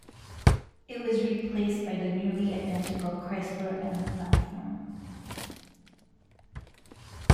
It was replaced by the nearly identical Chrysler M platform.